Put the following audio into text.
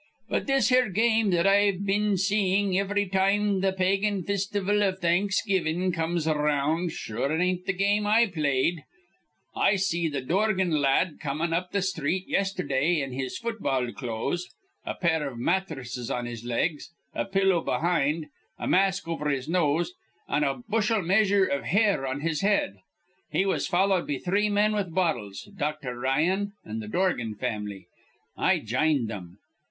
"But this here game that I've been seein' ivry time th' pagan fistival iv Thanksgivin' comes ar round, sure it ain't th' game I played. I seen th' Dorgan la ad comin' up th' sthreet yestherdah in his futball clothes, a pair iv matthresses on his legs, a pillow behind, a mask over his nose, an' a bushel measure iv hair on his head. He was followed be three men with bottles, Dr. Ryan, an' th' Dorgan fam'ly. I jined thim.